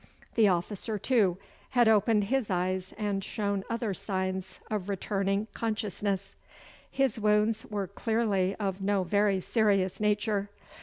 The officer, too, had opened his eyes and shown other signs of returning consciousness. His wounds were clearly of no very serious nature.